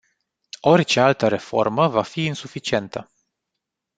Orice altă reformă va fi insuficientă.